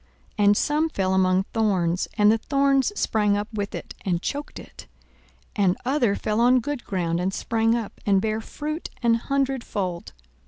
42:008:007 And some fell among thorns; and the thorns sprang up with it, and choked it. 42:008:008 And other fell on good ground, and sprang up, and bare fruit an hundredfold.